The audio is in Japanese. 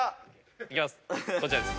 いきます。